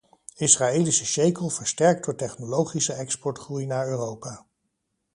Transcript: Israëlische sjekel versterkt door technologische exportgroei naar Europa.